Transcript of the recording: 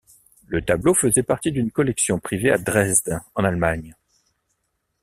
Le tableau faisait partie d'une collection privée à Dresde en Allemagne.